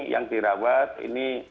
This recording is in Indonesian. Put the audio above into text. yang dirawat ini